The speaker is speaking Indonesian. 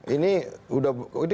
ini udah berapa kali ribuan kali